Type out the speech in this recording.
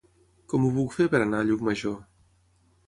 Com ho puc fer per anar a Llucmajor?